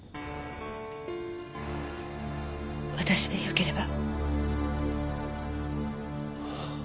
私でよければ。